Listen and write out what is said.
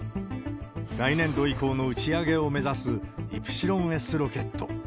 来年度以降の打ち上げを目指すイプシロンＳロケット。